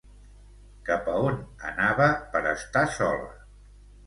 Cap a on anava per estar sola?